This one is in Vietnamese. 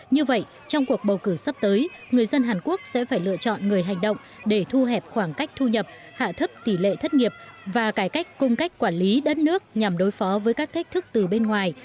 như vậy trong cuộc bầu cử sắp tới người dân hàn quốc sẽ phải lựa chọn người hành động để thu hẹp khoảng cách thu nhập hạ thấp tỷ lệ thất nghiệp và cải cách cung cách quản lý đất nước nhằm đối phó với các thách thức từ bên ngoài